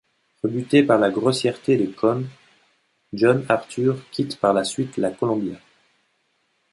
Rebutée par la grossièreté de Cohn, Jean Arthur quitte par la suite la Columbia.